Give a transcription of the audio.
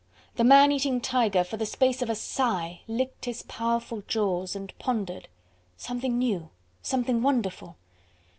The man eating tiger for the space of a sigh licked his powerful jaws and pondered! Something new! something wonderful!